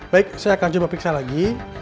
baik saya akan coba periksa lagi